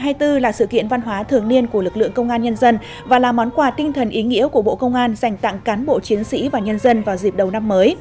hòa nhạc trào xuân hai nghìn hai mươi bốn là sự kiện văn hóa thường niên của lực lượng công an nhân dân và là món quả tinh thần ý nghĩa của bộ công an dành tặng cán bộ chiến sĩ và nhân dân vào dịp đầu năm